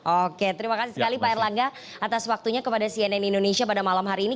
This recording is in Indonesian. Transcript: oke terima kasih sekali pak erlangga atas waktunya kepada cnn indonesia pada malam hari ini